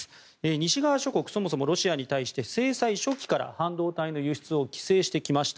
西側諸国、そもそもロシアに対して制裁初期から半導体の輸出を規制してきました。